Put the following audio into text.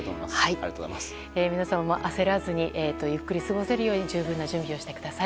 皆様も焦らずにゆっくり過ごせるように十分注意をしてください。